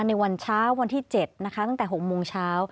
ในวันเช้าวันที่๗นะคะตั้งแต่๖โมงเช้า